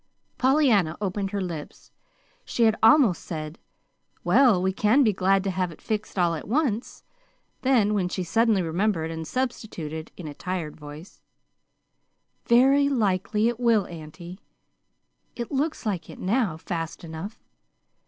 Pollyanna opened her lips. She had almost said, "Well, we can be glad to have it fixed all at once, then," when she suddenly remembered, and substituted, in a tired voice: "Very likely it will, auntie. It looks like it now, fast enough.